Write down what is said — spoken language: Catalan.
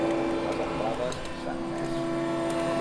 Les entrades s'han emès.